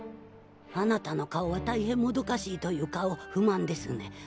あなたの顔は大変もどかしいという顔不満ですね。